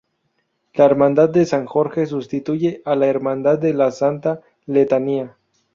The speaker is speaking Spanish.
La Hermandad de San Jorge sustituye a la Hermandad de la Santa Letanía.